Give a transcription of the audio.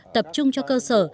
tập trung cho cơ sở